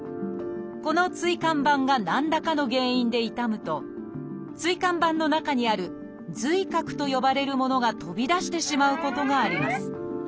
この椎間板が何らかの原因で傷むと椎間板の中にある「髄核」と呼ばれるものが飛び出してしまうことがあります。